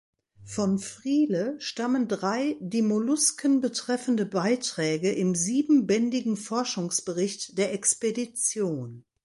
Von Friele stammen drei die Mollusken betreffende Beiträge im siebenbändigen Forschungsbericht der Expedition.